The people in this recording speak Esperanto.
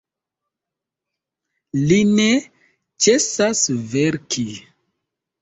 Li ne ĉesas verki.